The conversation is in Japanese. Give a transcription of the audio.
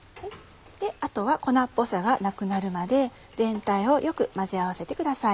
あとは粉っぽさがなくなるまで全体をよく混ぜ合わせてください。